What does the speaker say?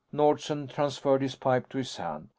Nordsen transferred his pipe to his hand.